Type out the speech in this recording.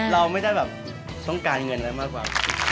เราไม่ได้แบบต้องการเงินอะไรมากกว่า